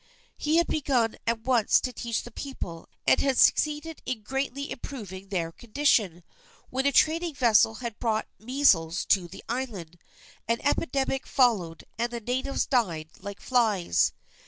He had begun at once to teach the people and had succeeded in greatly improving their condition, when a trading vessel had brought measles to the island. An epidemic followed, and the natives died like flies.